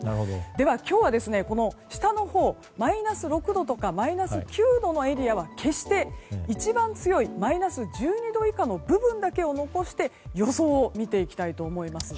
今日はマイナス６度とかマイナス９度のエリアは決して一番強いマイナス１２度以下の部分だけを残して予想を見ていきたいと思います。